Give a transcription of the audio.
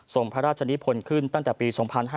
ส่งพระราชนิพลขึ้นตั้งแต่ปี๒๕๕๙